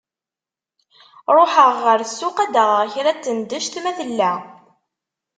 Ruḥeɣ ɣer ssuq ad d-aɣeɣ kra n tednect ma tella.